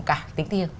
bao gồm cả tính thiêng